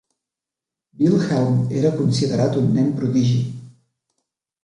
Wilhelmj era considerat un nen prodigi.